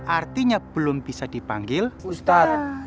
artinya belum bisa dipanggil ustadz